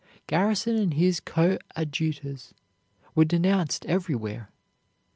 Garrison and his coadjutors were denounced everywhere.